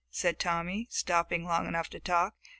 said Tommy, stopping long enough to talk.